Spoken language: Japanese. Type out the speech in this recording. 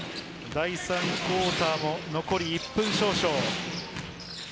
第３クオーターも、残り１分少々。